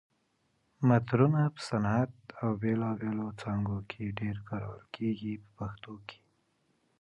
مترونه په صنعت او بېلابېلو څانګو کې ډېر کارول کېږي په پښتو کې.